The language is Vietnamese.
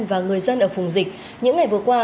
và người dân ở vùng dịch những ngày vừa qua